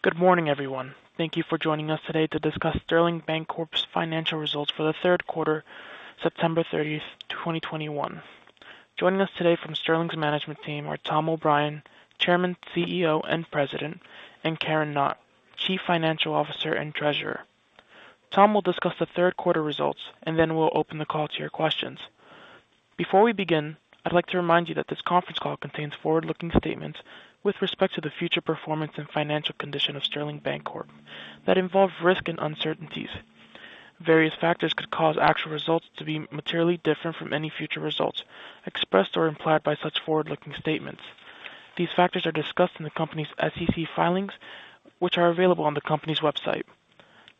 Good morning, everyone. Thank you for joining us today to discuss Sterling Bancorp's financial results for the third quarter, September 30, 2021. Joining us today from Sterling's management team are Tom O'Brien, Chairman, CEO, and President, and Karen Knott, Chief Financial Officer and Treasurer. Tom will discuss the third quarter results, and then we'll open the call to your questions. Before we begin, I'd like to remind you that this conference call contains forward-looking statements with respect to the future performance and financial condition of Sterling Bancorp that involve risk and uncertainties. Various factors could cause actual results to be materially different from any future results expressed or implied by such forward-looking statements. These factors are discussed in the company's SEC filings, which are available on the company's website.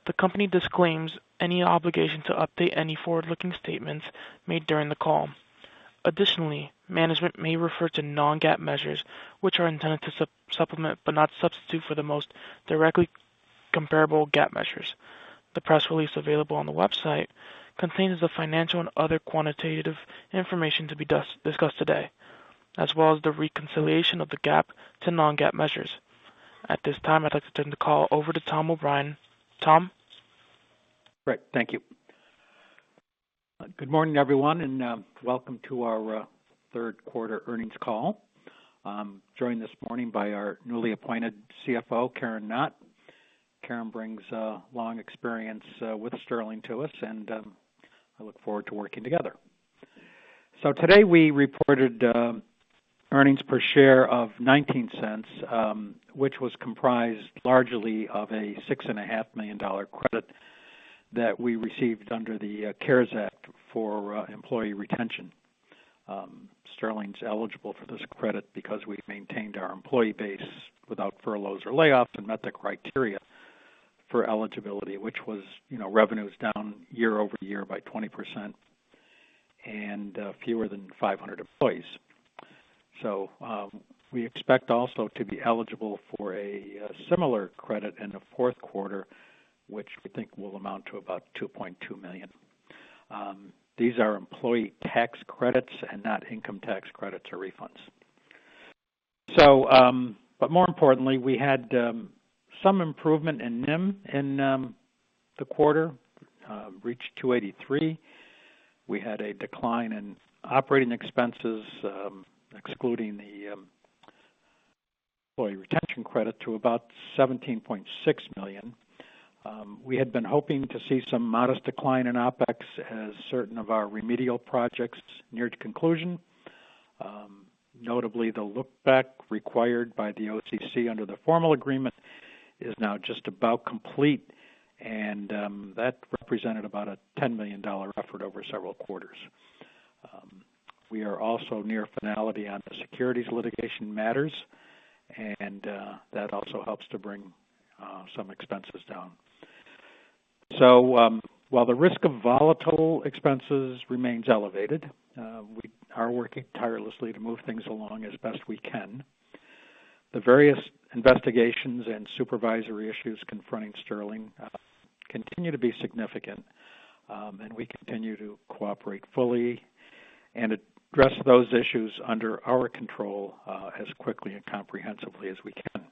The company disclaims any obligation to update any forward-looking statements made during the call. Additionally, management may refer to non-GAAP measures, which are intended to supplement but not substitute for the most directly comparable GAAP measures. The press release available on the website contains the financial and other quantitative information to be discussed today, as well as the reconciliation of the GAAP to non-GAAP measures. At this time, I'd like to turn the call over to Tom O'Brien. Tom? Right. Thank you. Good morning, everyone, and welcome to our third quarter earnings call. I'm joined this morning by our newly appointed CFO, Karen Knott. Karen brings long experience with Sterling to us, and I look forward to working together. Today we reported earnings per share of $0.19, which was comprised largely of a $6.5 million credit that we received under the CARES Act for employee retention. Sterling's eligible for this credit because we've maintained our employee base without furloughs or layoffs and met the criteria for eligibility, which was, you know, revenues down year over year by 20% and fewer than 500 employees. We expect also to be eligible for a similar credit in the fourth quarter, which we think will amount to about $2.2 million. These are employee tax credits and not income tax credits or refunds. More importantly, we had some improvement in NIM in the quarter, reached 2.83%. We had a decline in operating expenses, excluding the employee retention credit, to about $17.6 million. We had been hoping to see some modest decline in OpEx as certain of our remedial projects neared conclusion. Notably, the look back required by the OCC under the formal agreement is now just about complete, and that represented about a $10 million effort over several quarters. We are also near finality on the securities litigation matters, and that also helps to bring some expenses down. While the risk of volatile expenses remains elevated, we are working tirelessly to move things along as best we can. The various investigations and supervisory issues confronting Sterling continue to be significant, and we continue to cooperate fully and address those issues under our control, as quickly and comprehensively as we can.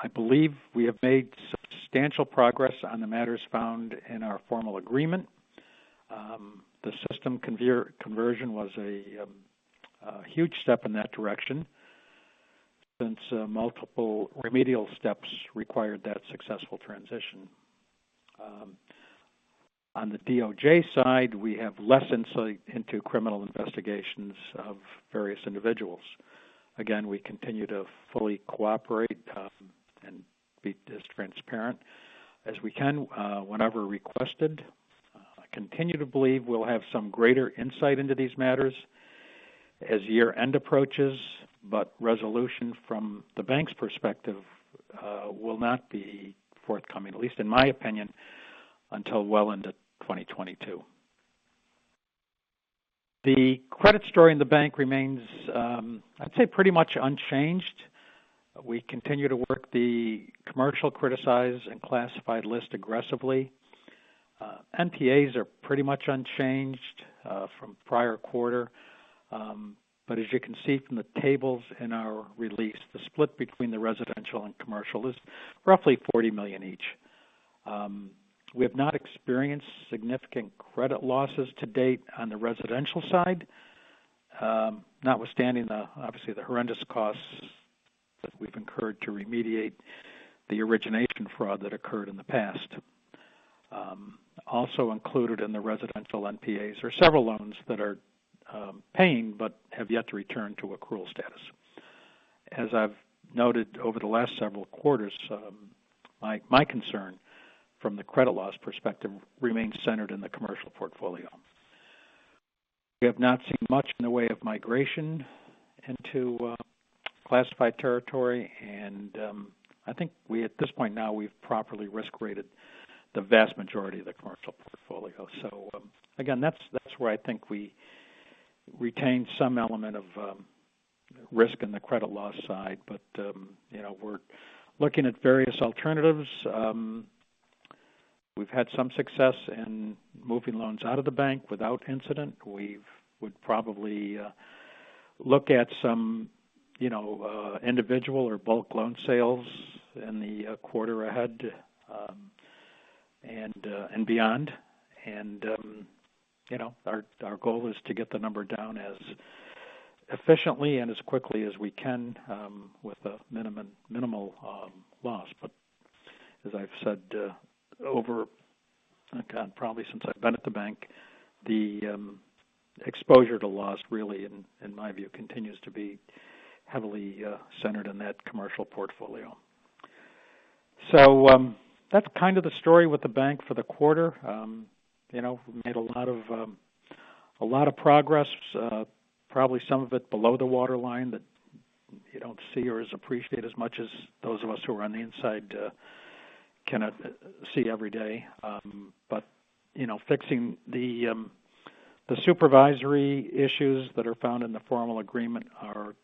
I believe we have made substantial progress on the matters found in our formal agreement. The system conversion was a huge step in that direction since multiple remedial steps required that successful transition. On the DOJ side, we have less insight into criminal investigations of various individuals. Again, we continue to fully cooperate, and be as transparent as we can, whenever requested. I continue to believe we'll have some greater insight into these matters as year-end approaches, but resolution from the bank's perspective will not be forthcoming, at least in my opinion, until well into 2022. The credit story in the bank remains, I'd say pretty much unchanged. We continue to work the commercial criticized and classified list aggressively. NPAs are pretty much unchanged from prior quarter. But as you can see from the tables in our release, the split between the residential and commercial is roughly $40 million each. We have not experienced significant credit losses to date on the residential side, notwithstanding obviously the horrendous costs that we've incurred to remediate the origination fraud that occurred in the past. Also included in the residential NPAs are several loans that are paying but have yet to return to accrual status. As I've noted over the last several quarters, my concern from the credit loss perspective remains centered in the commercial portfolio. We have not seen much in the way of migration into classified territory, and I think we at this point now we've properly risk rated the vast majority of the commercial portfolio. Again, that's where I think we retain some element of risk in the credit loss side. You know, we're looking at various alternatives. We've had some success in moving loans out of the bank without incident. We would probably look at some, you know, individual or bulk loan sales in the quarter ahead, and beyond. You know, our goal is to get the number down as efficiently and as quickly as we can, with a minimal loss. As I've said, oh, my God, probably since I've been at the bank, the exposure to loss really, in my view, continues to be heavily centered in that commercial portfolio. That's kind of the story with the bank for the quarter. You know, we made a lot of progress, probably some of it below the waterline that you don't see or appreciate as much as those of us who are on the inside can see every day. You know, fixing the supervisory issues that are found in the formal agreement are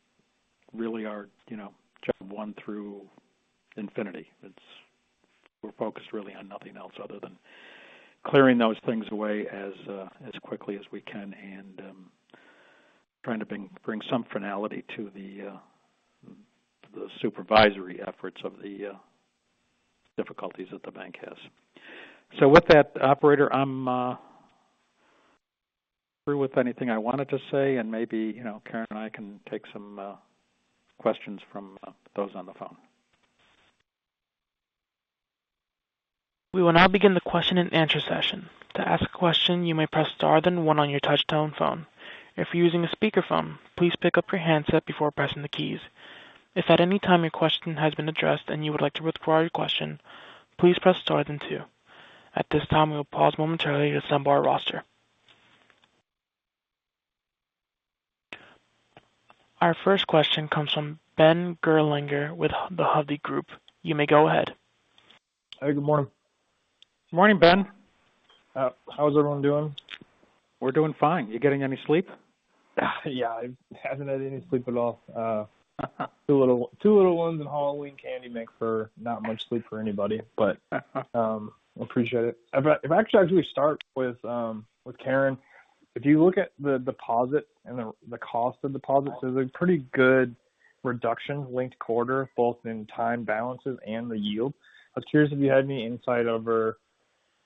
really, you know, check one through infinity. We're focused really on nothing else other than clearing those things away as quickly as we can and trying to bring some finality to the supervisory efforts of the difficulties that the bank has. With that operator, I'm through with anything I wanted to say, and maybe, you know, Karen and I can take some questions from those on the phone. We will now begin the question-and-answer session. To ask a question, you may press star then one on your touchtone phone. If you're using a speakerphone, please pick up your handset before pressing the keys. If at any time your question has been addressed and you would like to withdraw your question, please press star then two. At this time, we'll pause momentarily to assemble our roster. Our first question comes from Ben Gerlinger with the Hovde Group. You may go ahead. Hey, good morning. Good morning, Ben. How is everyone doing? We're doing fine. You getting any sleep? Yeah. I haven't had any sleep at all. Two little ones and Halloween candy make for not much sleep for anybody. Appreciate it. If I could actually start with Karen, if you look at the deposit and the cost of deposits, there's a pretty good reduction linked quarter, both in time balances and the yield. I was curious if you had any insight over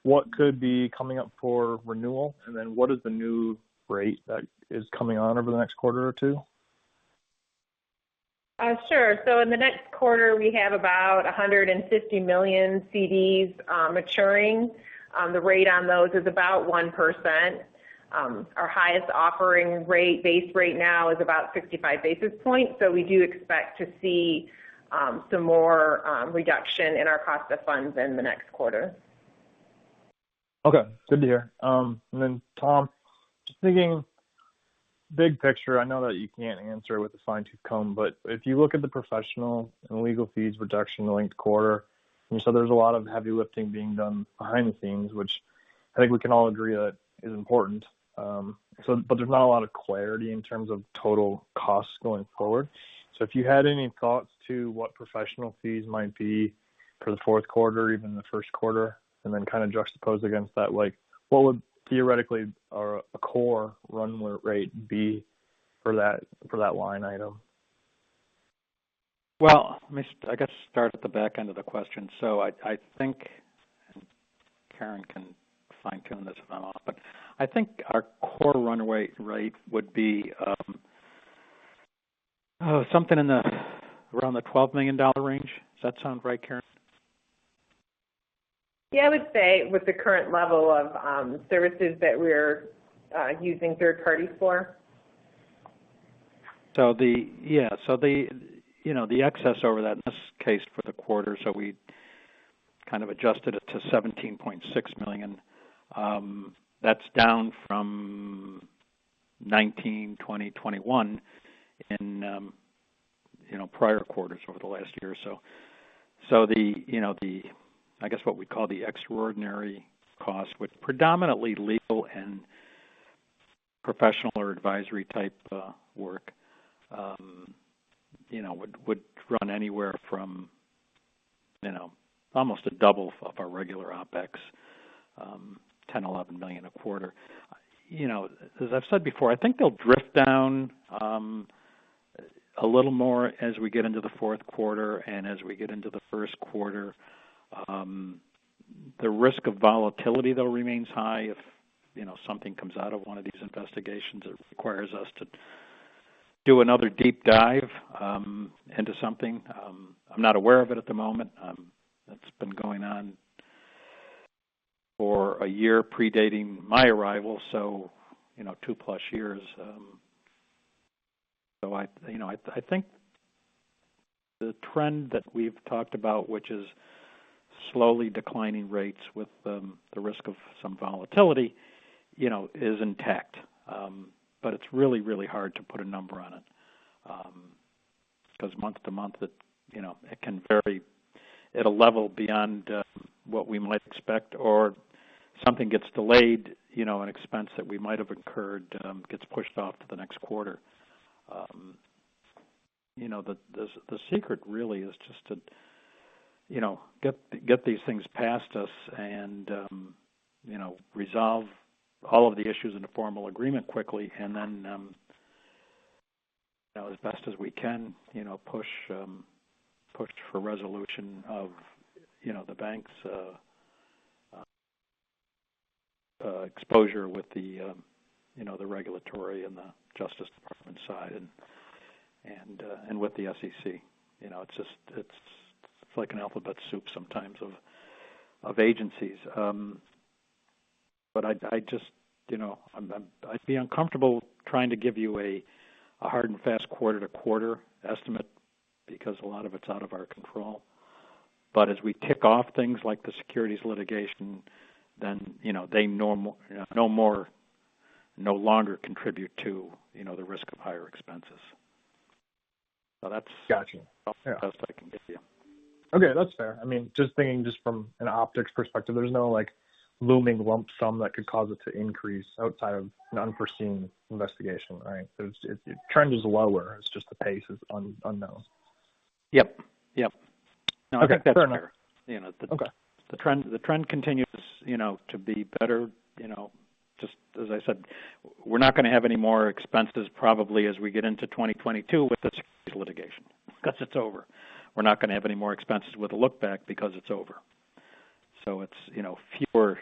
what could be coming up for renewal, and then what is the new rate that is coming on over the next quarter or two? Sure. In the next quarter, we have about $150 million CDs maturing. The rate on those is about 1%. Our highest offering rate, base rate now, is about 65 basis points. We do expect to see some more reduction in our cost of funds in the next quarter. Okay. Good to hear. Tom, just thinking big picture, I know that you can't answer it with a fine-tooth comb, but if you look at the professional and legal fees reduction linked quarter, and so there's a lot of heavy lifting being done behind the scenes, which I think we can all agree that is important. But there's not a lot of clarity in terms of total costs going forward. If you had any thoughts to what professional fees might be for the fourth quarter, even the first quarter, and then kind of juxtapose against that, like, what would theoretically or a core run rate be for that, for that line item? Well, let me, I guess, start at the back end of the question. I think Karen can fine-tune this if I'm off. I think our core run rate would be something around the $12 million range. Does that sound right, Karen? Yeah. I would say with the current level of services that we're using third parties for. The excess over that in this case for the quarter, so we kind of adjusted it to $17.6 million. That's down from $19 million, $20 million, $21 million in prior quarters over the last year or so. You know, the, I guess, what we call the extraordinary costs, which predominantly legal and professional or advisory type work, you know, would run anywhere from, you know, almost a double of our regular OpEx, $10-$11 million a quarter. You know, as I've said before, I think they'll drift down a little more as we get into the fourth quarter and as we get into the first quarter. The risk of volatility, though, remains high if, you know, something comes out of one of these investigations that requires us to do another deep dive into something. I'm not aware of it at the moment. That's been going on for a year predating my arrival, so, you know, two-plus years. I, you know, think the trend that we've talked about, which is slowly declining rates with the risk of some volatility, you know, is intact. It's really, really hard to put a number on it because month to month it, you know, it can vary at a level beyond what we might expect or something gets delayed, you know, an expense that we might have incurred gets pushed off to the next quarter. You know, the secret really is just to get these things past us and resolve all of the issues in a formal agreement quickly. Then, as best as we can, push for resolution of the bank's exposure with the regulatory and the Justice Department side and with the SEC. It's just like an alphabet soup sometimes of agencies. But I'd be uncomfortable trying to give you a hard and fast quarter to quarter estimate because a lot of it's out of our control. As we tick off things like the securities litigation, then, you know, they no longer contribute to, you know, the risk of higher expenses. That's. Got you. Yeah. That's the best I can give you. Okay. That's fair. I mean, just thinking from an optics perspective, there's no, like, looming lump sum that could cause it to increase outside of an unforeseen investigation, right? The trend is lower. It's just the pace is unknown. Yep. Yep. Okay. Fair enough. You know, Okay. The trend continues, you know, to be better, you know. Just as I said, we're not gonna have any more expenses probably as we get into 2022 with the securities litigation because it's over. We're not gonna have any more expenses with the look back because it's over. It's, you know, fewer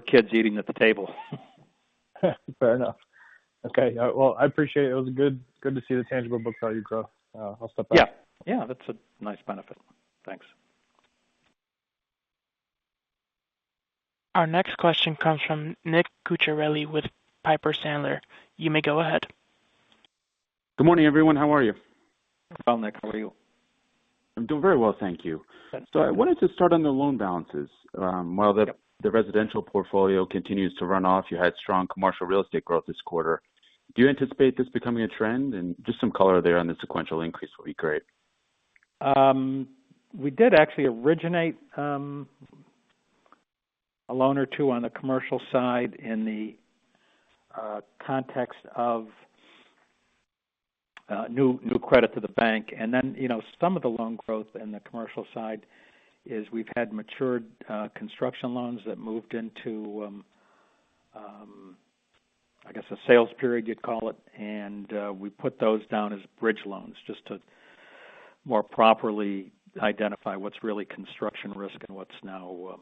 kids eating at the table. Fair enough. Okay. Well, I appreciate it. It was good to see the tangible book value grow. I'll step back. Yeah. Yeah. That's a nice benefit. Thanks. Our next question comes from Mark Fitzgibbon with Piper Sandler. You may go ahead. Good morning, everyone. How are you? Hello, Mark. How are you? I'm doing very well, thank you. Thanks. I wanted to start on the loan balances. Yeah. While the residential portfolio continues to run off, you had strong commercial real estate growth this quarter. Do you anticipate this becoming a trend? Just some color there on the sequential increase would be great. We did actually originate a loan or two on the commercial side in the context of new credit to the bank. You know, some of the loan growth in the commercial side is we've had matured construction loans that moved into I guess a sales period, you'd call it. We put those down as bridge loans just to more properly identify what's really construction risk and what's now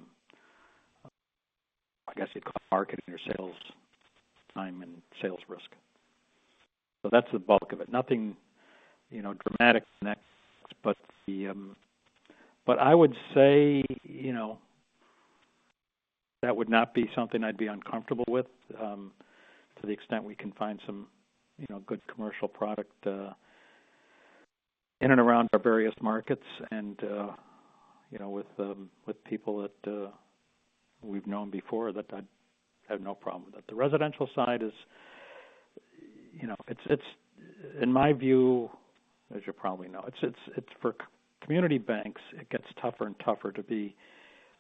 I guess you'd call marketing or sales time and sales risk. That's the bulk of it. Nothing, you know, dramatic next. I would say, you know, that would not be something I'd be uncomfortable with to the extent we can find some, you know, good commercial product in and around our various markets. You know, with people that we've known before that I'd have no problem with it. The residential side is, you know, it's in my view, as you probably know, it's for community banks, it gets tougher and tougher to be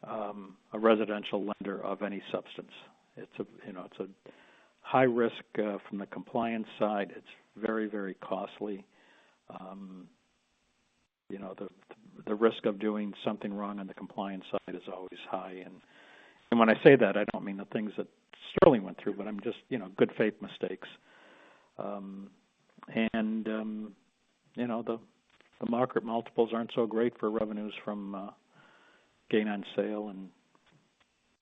a residential lender of any substance. It's a high risk from the compliance side, you know. It's very, very costly. You know, the risk of doing something wrong on the compliance side is always high. When I say that, I don't mean the things that Sterling went through, but I'm just you know, good faith mistakes. You know, the market multiples aren't so great for revenues from gain on sale and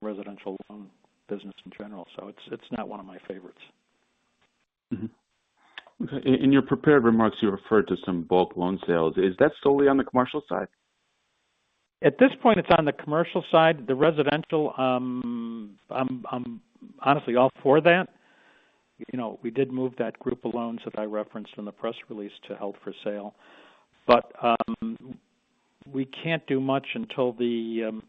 residential loan business in general. It's not one of my favorites. Mm-hmm. In your prepared remarks, you referred to some bulk loan sales. Is that solely on the commercial side? At this point, it's on the commercial side. The residential, I'm honestly all for that. You know, we did move that group of loans that I referenced in the press release to held for sale. We can't do much until the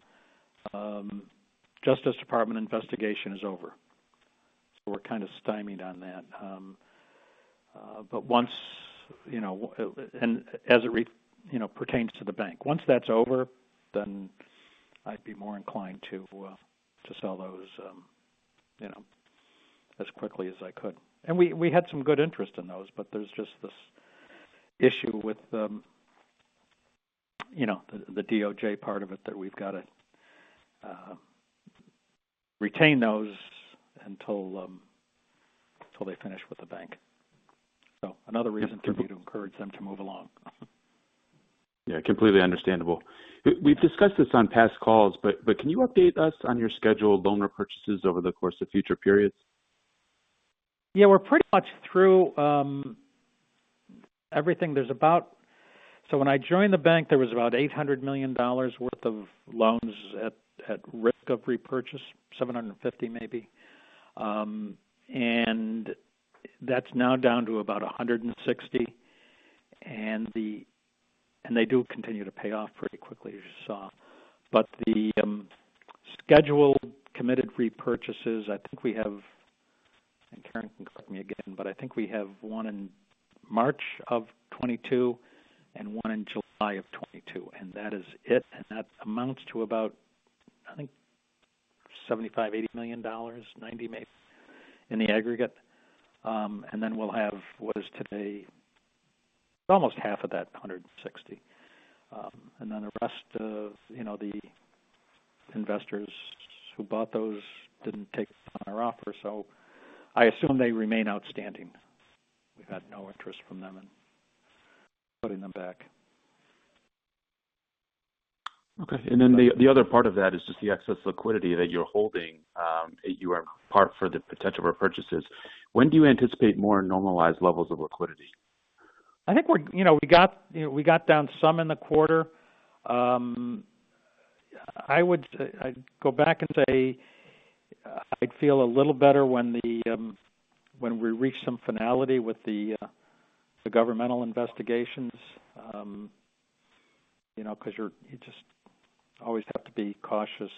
Justice Department investigation is over. We're kind of stymied on that. Once, you know, as it, you know, pertains to the bank once that's over, then I'd be more inclined to sell those, you know, as quickly as I could. We had some good interest in those, but there's just this issue with, you know, the DOJ part of it that we've got to retain those until they finish with the bank. Another reason for you to encourage them to move along. Yeah, completely understandable. We've discussed this on past calls, but can you update us on your scheduled loan repurchases over the course of future periods? Yeah. We're pretty much through everything. So when I joined the bank, there was about $800 million worth of loans at risk of repurchase, $750 maybe. That's now down to about $160. They do continue to pay off pretty quickly, as you saw. The scheduled committed repurchases, I think we have, and Karen can correct me again, but I think we have one in March 2022 and one in July 2022, and that is it. That amounts to about, I think, $75-$80 million, $90 maybe in the aggregate. Then we'll have what is today almost half of that $160. Then the rest of, you know, the investors who bought those didn't take on our offer, so I assume they remain outstanding. We've had no interest from them in putting them back. Okay. The other part of that is just the excess liquidity that you're holding apart for the potential repurchases. When do you anticipate more normalized levels of liquidity? I think we're, you know, we got down some in the quarter. I would say I'd go back and say I'd feel a little better when we reach some finality with the governmental investigations. You know, 'cause you just always have to be cautious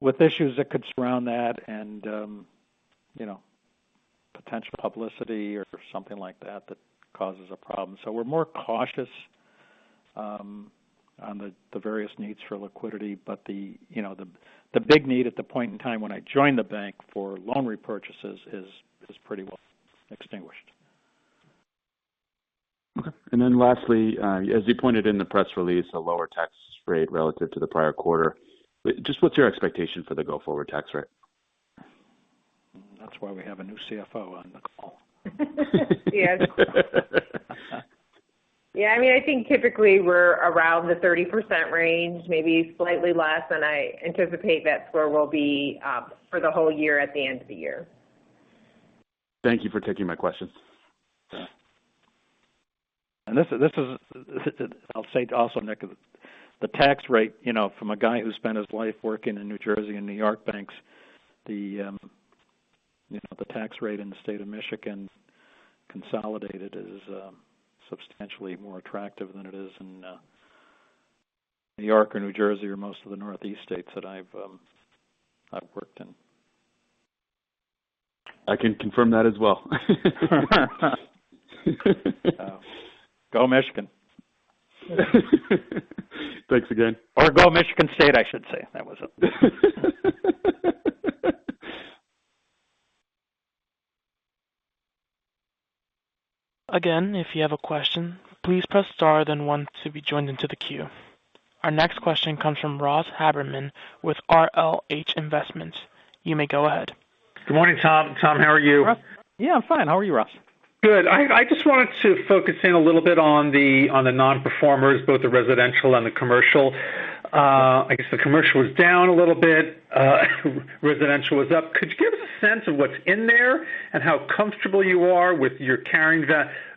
with issues that could surround that and, you know, potential publicity or something like that causes a problem. We're more cautious on the various needs for liquidity. You know, the big need at the point in time when I joined the bank for loan repurchases is pretty well extinguished. Okay. Lastly, as you pointed in the press release, a lower tax rate relative to the prior quarter. Just what's your expectation for the go-forward tax rate? That's why we have a new CFO on the call. Yes. Yeah. I mean, I think typically we're around the 30% range, maybe slightly less, and I anticipate that's where we'll be for the whole year at the end of the year. Thank you for taking my questions. I'll say also, Mark, the tax rate, you know, from a guy who spent his life working in New Jersey and New York banks, the you know, the tax rate in the state of Michigan consolidated is substantially more attractive than it is in New York or New Jersey or most of the Northeast states that I've worked in. I can confirm that as well. Go Michigan. Thanks again. Go Michigan State, I should say. That was it. Again, if you have a question, please press star then one to be joined into the queue. Our next question comes from Ross Haberman with RLH Investments. You may go ahead. Good morning, Tom. Tom, how are you? Yeah, I'm fine. How are you, Ross? Good. I just wanted to focus in a little bit on the non-performers, both the residential and the commercial. I guess the commercial was down a little bit, residential was up. Could you give us a sense of what's in there and how comfortable you are with your carrying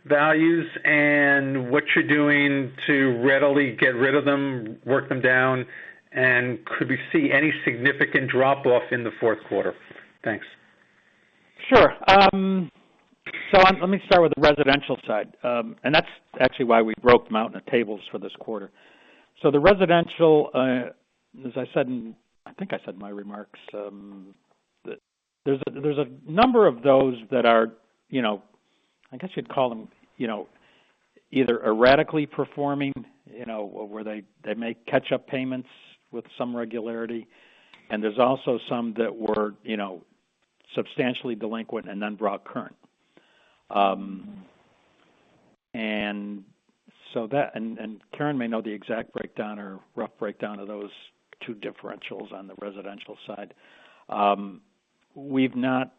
values and what you're doing to readily get rid of them, work them down, and could we see any significant drop off in the fourth quarter? Thanks. Sure. Let me start with the residential side. That's actually why we broke them out in the tables for this quarter. The residential, I think I said in my remarks, there's a number of those that are, you know, I guess you'd call them, you know, either erratically performing, you know, where they make catch-up payments with some regularity. There's also some that were, you know, substantially delinquent and then brought current. Karen may know the exact breakdown or rough breakdown of those two differentials on the residential side. We've not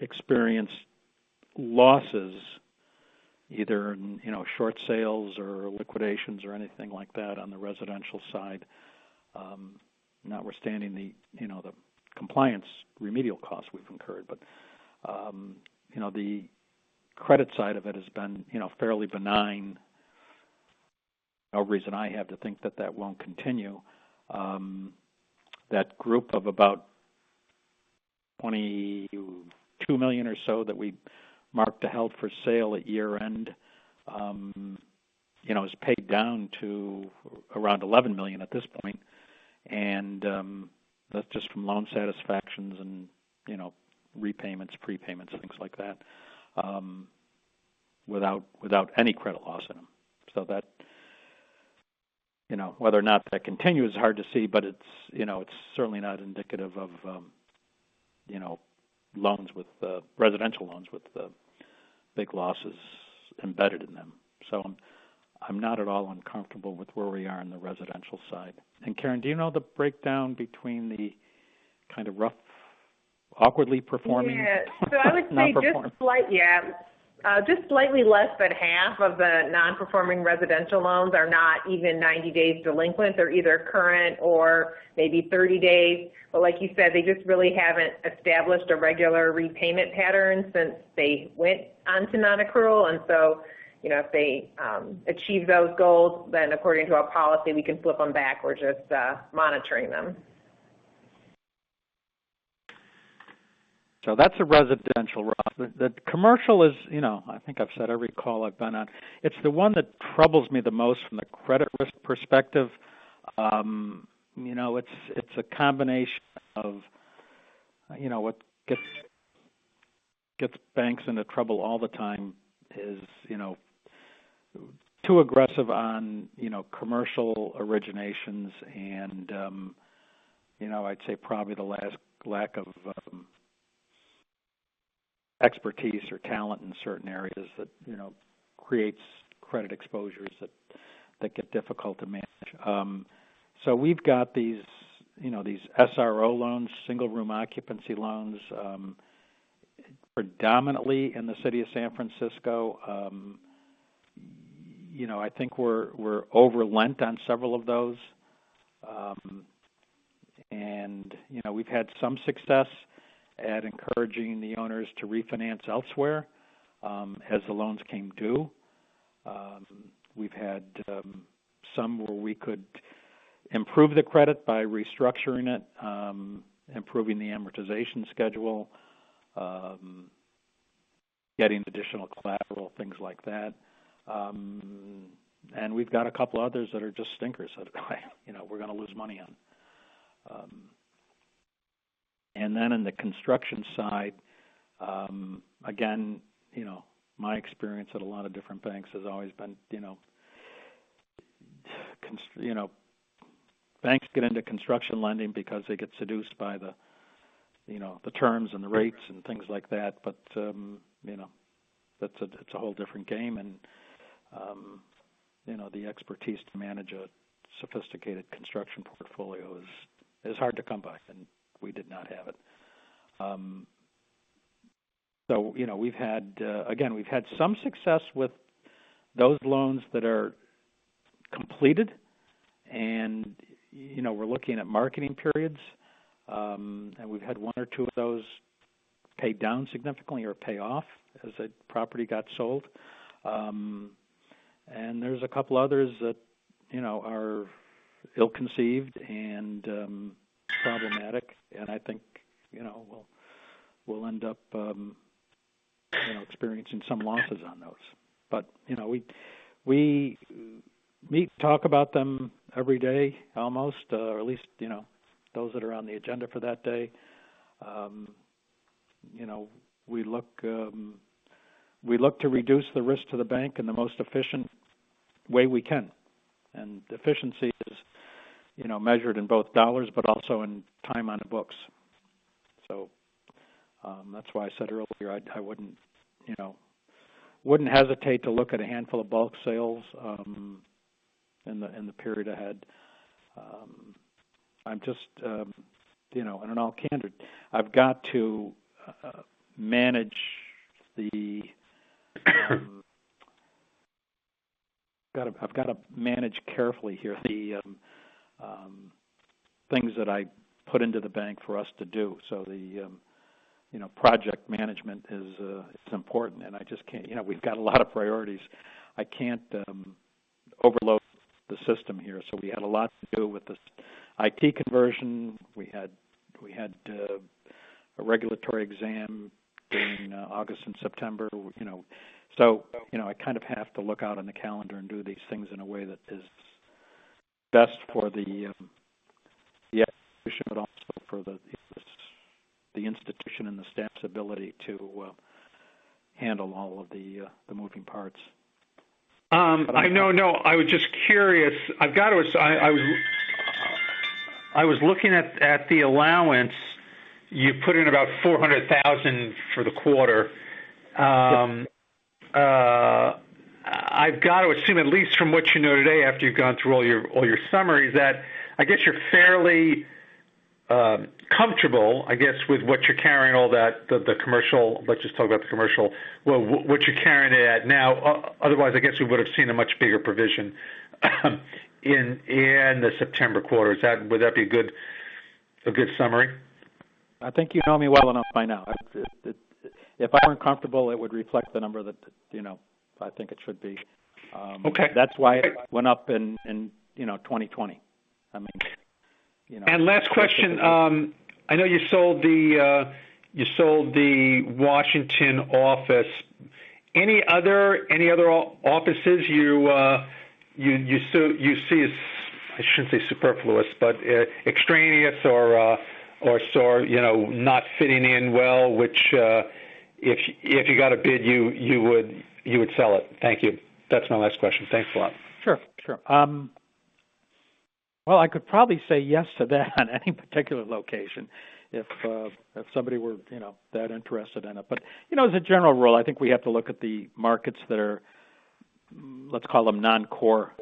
experienced losses either in, you know, short sales or liquidations or anything like that on the residential side. Notwithstanding the, you know, the compliance remedial costs we've incurred. You know, the credit side of it has been, you know, fairly benign. No reason I have to think that won't continue. That group of about $22 million or so that we marked as held for sale at year-end, you know, has paid down to around $11 million at this point. That's just from loan satisfactions and, you know, repayments, prepayments, things like that, without any credit loss in them. That's, you know, whether or not that continues is hard to see, but it's, you know, it's certainly not indicative of, you know, residential loans with big losses embedded in them. I'm not at all uncomfortable with where we are on the residential side. Karen, do you know the breakdown between the kind of rough, awkwardly performing- Yeah. Non-performing. I would say just slightly less than half of the non-performing residential loans are not even 90 days delinquent. They're either current or maybe 30 days. Like you said, they just really haven't established a regular repayment pattern since they went on to non-accrual. You know, if they achieve those goals, then according to our policy, we can flip them back. We're just monitoring them. That's the residential, Ross. The commercial is, you know, I think I've said every call I've been on. It's the one that troubles me the most from the credit risk perspective. You know, it's a combination of, you know, what gets banks into trouble all the time is, you know, too aggressive on, you know, commercial originations. Lack of expertise or talent in certain areas that, you know, creates credit exposures that get difficult to manage. We've got these, you know, these SRO loans, single room occupancy loans, predominantly in the city of San Francisco. You know, I think we're over-lent on several of those. You know, we've had some success at encouraging the owners to refinance elsewhere, as the loans came due. We've had somewhere we could improve the credit by restructuring it, improving the amortization schedule, getting additional collateral, things like that. We've got a couple others that are just stinkers that you know, we're gonna lose money on. In the construction side, again, you know, my experience at a lot of different banks has always been, you know, banks get into construction lending because they get seduced by the, you know, the terms and the rates and things like that. You know, that's a, it's a whole different game and, you know, the expertise to manage a sophisticated construction portfolio is hard to come by, and we did not have it. You know, again, we've had some success with those loans that are completed. You know, we're looking at marketing periods. We've had one or two of those paid down significantly or pay off as the property got sold. There's a couple others that, you know, are ill-conceived and problematic. I think, you know, we'll end up, you know, experiencing some losses on those. You know, we meet to talk about them every day, almost, or at least, you know, those that are on the agenda for that day. You know, we look to reduce the risk to the bank in the most efficient way we can. Efficiency is, you know, measured in both dollars, but also in time on the books. That's why I said earlier, I wouldn't, you know, wouldn't hesitate to look at a handful of bulk sales in the period ahead. I'm just, you know, in all candor, I've got to manage carefully here the things that I put into the bank for us to do. The project management is important, and I just can't. You know, we've got a lot of priorities. I can't overload the system here. We had a lot to do with this IT conversion. We had a regulatory exam during August and September, you know. You know, I kind of have to look out on the calendar and do these things in a way that is best for the institution, but also for the institution and the staff's ability to handle all of the moving parts. I know. I was just curious. I was looking at the allowance. You put in about $400,000 for the quarter. I've got to assume, at least from what you know today, after you've gone through all your summaries, that I guess you're fairly comfortable, I guess, with what you're carrying all that, the commercial. Let's just talk about the commercial. What you're carrying it at now. Otherwise, I guess we would've seen a much bigger provision in the September quarter. Would that be a good summary? I think you know me well enough by now. If I weren't comfortable, it would reflect the number that, you know, I think it should be. Okay. That's why it went up in you know, 2020. I mean, you know. Last question. I know you sold the Washington office. Any other offices you see as... I shouldn't say superfluous, but extraneous or, sort of, you know, not fitting in well, which, if you got a bid, you would sell it. Thank you. That's my last question. Thanks a lot. Sure. Well, I could probably say yes to that on any particular location, if somebody were, you know, that interested in it. You know, as a general rule, I think we have to look at the markets that are, let's call them non-core.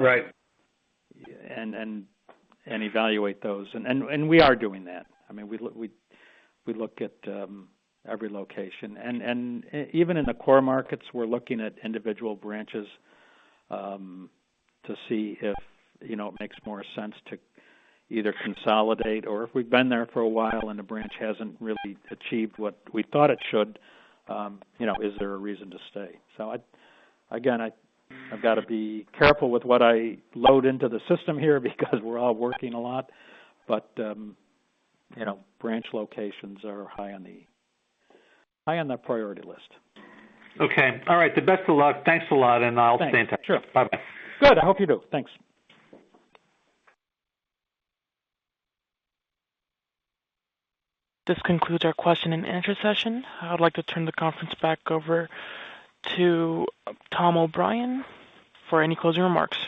Right. Evaluate those. We are doing that. I mean, we look at every location. In the core markets, we're looking at individual branches to see if, you know, it makes more sense to either consolidate or if we've been there for a while and the branch hasn't really achieved what we thought it should, you know, is there a reason to stay? I've got to be careful with what I load into the system here because we're all working a lot. You know, branch locations are high on the priority list. Okay. All right. The best of luck. Thanks a lot, and I'll stay in touch. Sure. Bye-bye. Good. I hope you do. Thanks. This concludes our question-and-answer session. I would like to turn the conference back over to Tom O'Brien for any closing remarks.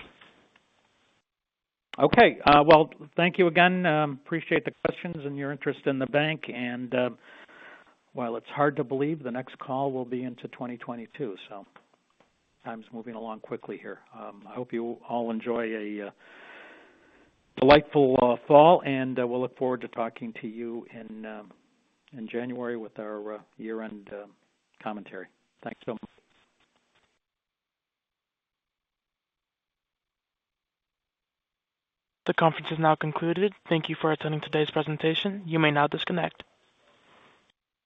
Okay. Well, thank you again. I appreciate the questions and your interest in the bank. While it's hard to believe, the next call will be into 2022. Time's moving along quickly here. I hope you all enjoy a delightful fall, and we'll look forward to talking to you in January with our year-end commentary. Thanks so much. The conference is now concluded. Thank you for attending today's presentation. You may now disconnect.